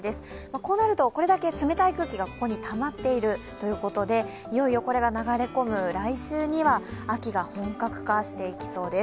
こうなると、これだけ冷たい空気がここにたまっているということでいよいよこれが流れ込む来週には秋が本格化していきそうです。